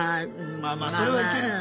まあまあそれはいけるか。